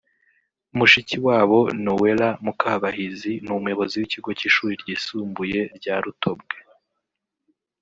mushiki wabo Noella Mukabahizi n’umuyobozi w’Ikigo cy’Ishuri Ryisumbuye rya Rutobwe